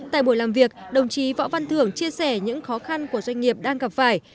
tại buổi làm việc đồng chí võ văn thưởng chia sẻ những khó khăn của doanh nghiệp đang gặp phải